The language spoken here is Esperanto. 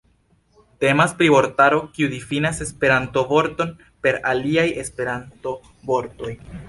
Temas pri vortaro, kiu difinas Esperanto-vorton per aliaj Esperanto-vortoj.